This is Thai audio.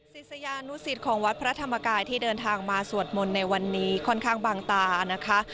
ศิษยานุสิตของวัดพระธรรมกายที่เดินทางมาสวดมนต์ในวันนี้ค่อนข้างบางตานะคะ